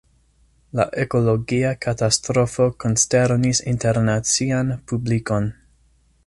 La ekologia katastrofo konsternis internacian publikon.